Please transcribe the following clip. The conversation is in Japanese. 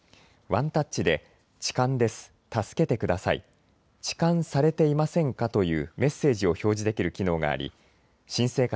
ワンタッチで痴漢です助けてくださいちかんされていませんか？というメッセージを表示できる機能があります。